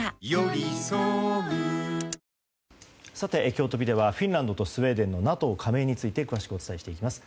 きょうトピではフィンランドとスウェーデンのＮＡＴＯ加盟について詳しくお伝えしていきます。